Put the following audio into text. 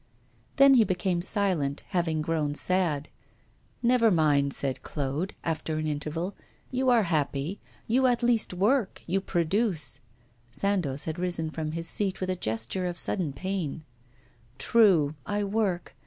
Then he became silent, having grown sad. 'Never mind,' said Claude, after an interval, 'you are happy, you at least work, you produce ' Sandoz had risen from his seat with a gesture of sudden pain. 'True, I work.